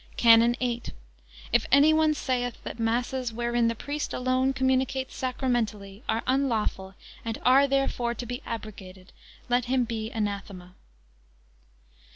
CANON VIII. If any one saith, that masses, wherein the priest alone communicates sacramentally, are unlawful, and are, therefore, to be abrogated; let him be anathema.